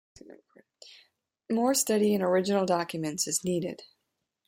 More study in original documents is needed.